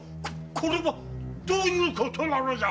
これはどういうことなのじゃ‼